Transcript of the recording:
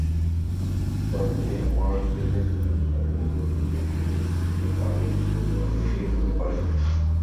তবে ওয়ানডেতে টেন্ডুলকারের রেকর্ডগুলো কোহলি ভাঙতে পারেন বলে অনেকেই মনে করেন।